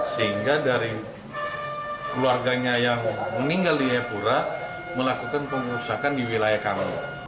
sehingga dari keluarganya yang meninggal di jayapura melakukan pengurusakan di wilayah kami